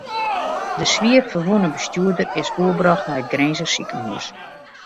De swier ferwûne bestjoerder is oerbrocht nei it Grinzer sikehús.